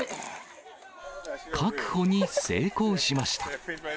確保に成功しました。